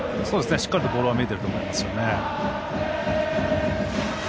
しっかりとボールは見えていると思います。